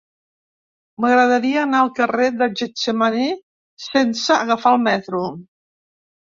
M'agradaria anar al carrer de Getsemaní sense agafar el metro.